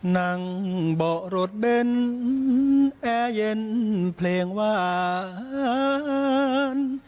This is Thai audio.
นั่งเบาะรถเบนแอร์เย็นเพลงหวาน